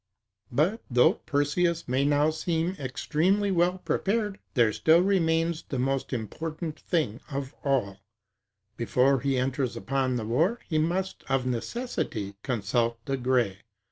But though Perseus may now seem extremely well prepared, there still remains the most important thing of all; before he enters upon the war, he must of necessity consult the Greæ.